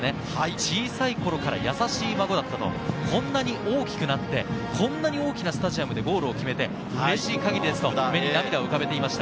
小さい頃から優しい孫だった、こんなに大きくなって、大きなスタジアムでゴールを決めてうれしい限りですと目に涙を浮かべていました。